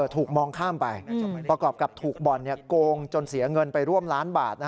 ถูกมองข้ามไปประกอบกับถูกบ่อนโกงจนเสียเงินไปร่วมล้านบาท